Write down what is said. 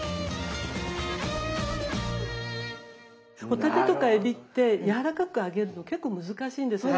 ホタテとかえびってやわらかく揚げるの結構難しいんですよ。